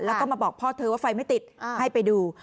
แล้วก็มาบอกพ่อเธอว่าไฟไม่ติดให้ไปดู